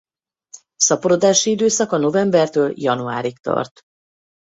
Szaporodási időszaka novembertől januárig tart.